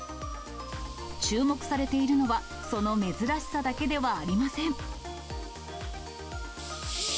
注目されているのは、その珍しさだけではありません。